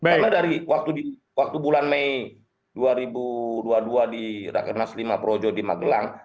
karena dari waktu di waktu bulan mei dua ribu dua puluh dua di rakenas lima projo di magelang